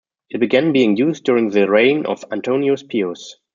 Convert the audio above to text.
It began being used during the reign of Antoninus Pius.